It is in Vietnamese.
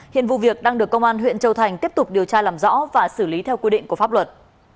hiện vụ việc đang được công an huyện châu thành tiếp tục điều tra làm rõ và xử lý theo quy định của pháp luật